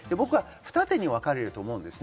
二手に分かれると思います。